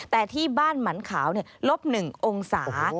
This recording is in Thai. แต่ที่บ้านหมันขาวลบ๑องศา